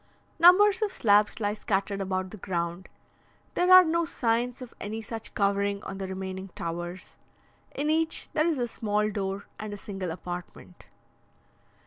Numbers of slabs lie scattered about the ground. There are no signs of any such covering on the remaining towers. In each there is a small door and a single apartment.